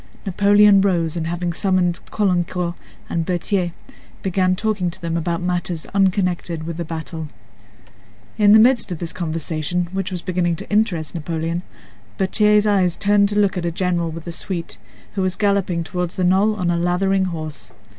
Napoleon rose and having summoned Caulaincourt and Berthier began talking to them about matters unconnected with the battle. In the midst of this conversation, which was beginning to interest Napoleon, Berthier's eyes turned to look at a general with a suite, who was galloping toward the knoll on a lathering horse.